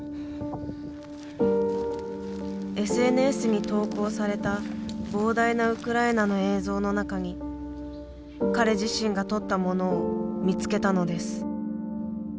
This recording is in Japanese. ＳＮＳに投稿された膨大なウクライナの映像の中に彼自身が撮ったものを見つけたのです。